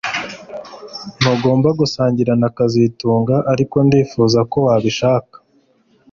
Ntugomba gusangira na kazitunga ariko ndifuza ko wabishaka